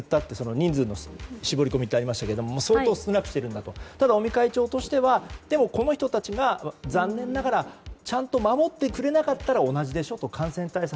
人数の絞り込みとありましたが相当少なくしているんだとただ、尾身会長としてはこの人たちが残念ながらちゃんと守ってくれなかったら同じでしょ感染対策